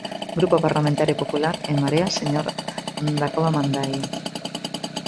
Grupo Parlamentario Popular En Marea, señor Dacova Mandaio.